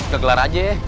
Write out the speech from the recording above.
gagelar aja ya